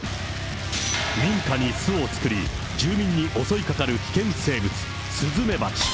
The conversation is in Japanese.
民家に巣を作り、住民に襲いかかる危険生物、スズメバチ。